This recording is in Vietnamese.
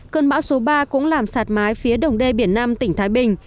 cơn bão số ba cũng làm sạt mái phía đồng đê biển nam tỉnh thái bình